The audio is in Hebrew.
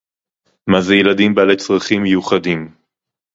מה זה ילדים בעלי צרכים מיוחדים